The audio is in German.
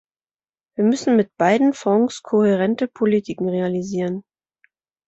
Wir müssen mit beiden Fonds kohärente Politiken realisieren.